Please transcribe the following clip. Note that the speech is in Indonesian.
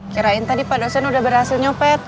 kirain tadi pak dosen udah berhasil nyopet